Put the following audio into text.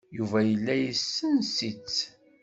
Yuba yella yessen-itt.